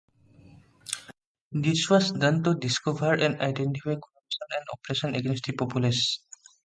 This was done to discover and identify corruption and oppression against the populace.